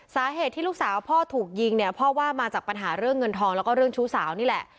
สาเหตุที่ลูกสาวพ่อถูกยิงเนี่ยพ่อว่ามาจากปัญหาเรื่องเงินทองแล้วก็เรื่องชู้สาวนี่แหละ